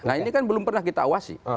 nah ini kan belum pernah kita awasi